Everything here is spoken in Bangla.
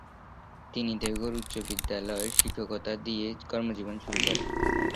তিনি দেওঘর উচ্চ বিদ্যালয়ে শিক্ষকতা দিয়ে কর্মজীবন শুরু করেন।